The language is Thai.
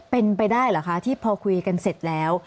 เป็นไปได้เหรอคะที่พอคุยกันเสร็จแล้ว